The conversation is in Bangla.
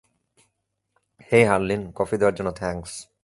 হেই হারলিন, কফি দেওয়ার জন্য থ্যাংকস।